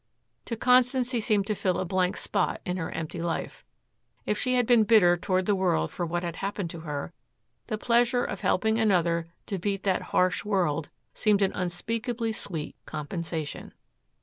To Constance he seemed to fill a blank spot in her empty life. If she had been bitter toward the world for what had happened to her, the pleasure of helping another to beat that harsh world seemed an unspeakably sweet compensation.